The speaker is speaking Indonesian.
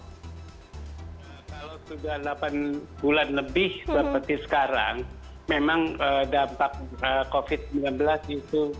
kalau sudah delapan bulan lebih seperti sekarang